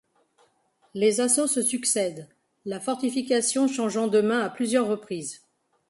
Les assauts se succèdent, la fortification changeant de main à plusieurs reprises.